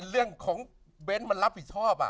เรื่องของเบนท์มันรับผิดชอบ